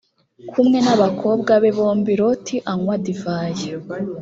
kumwe n’abakobwa be bombi loti anywa divayi